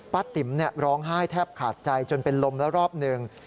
ติ๋มร้องไห้แทบขาดใจจนเป็นลมแล้วรอบหนึ่ง